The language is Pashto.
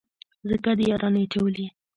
ځکه دې يارانې اچولي.